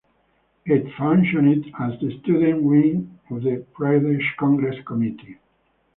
It functioned as the student wing of the Pradesh Congress Committee.